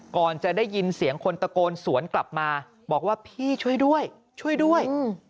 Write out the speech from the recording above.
ก่อนจะได้ยินเสียงคนตะโกนสวนกลับมาบอกว่าพี่ช่วยด้วยช่วยด้วย